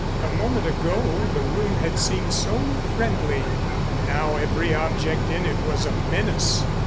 A moment ago the room had seemed so friendly, and now every object in it was a menace.